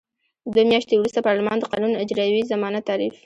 دوه میاشتې وروسته پارلمان د قانون اجرايوي ضمانت تعریف.